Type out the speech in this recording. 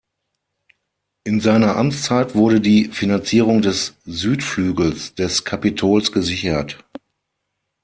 In seiner Amtszeit wurde die Finanzierung des Südflügels des Kapitols gesichert.